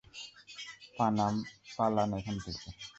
পালান এখান থেকে।